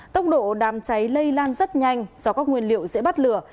tốc độ đám cháy lây lan rất nhanh do các nguyên liệu dễ bắt lửa